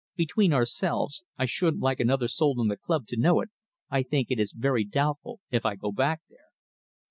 Between ourselves I shouldn't like another soul in the club to know it I think it is very doubtful if I go back there."